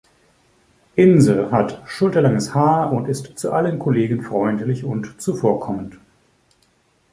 Inse hat schulterlanges Haar und ist zu allen Kollegen freundlich und zuvorkommend.